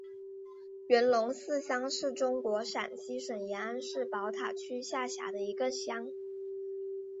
元龙寺乡是中国陕西省延安市宝塔区下辖的一个乡。